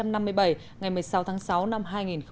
ngày một mươi sáu tháng sáu năm hai nghìn một mươi bảy